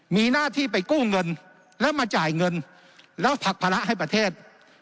มีหน้าที่ไปกู้เงินแล้วมาจ่ายเงินแล้วผลักภาระให้ประเทศ